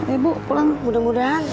eh bu pulang mudah mudahan